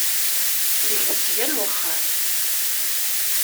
Deg tesga n uxxam.